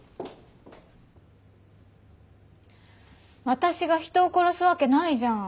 私が人を殺すわけないじゃん。